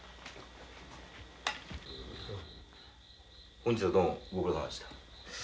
本日はどうもご苦労さまでした。